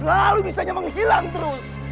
lalu misalnya menghilang terus